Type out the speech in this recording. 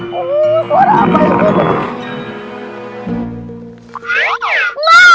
suara apa itu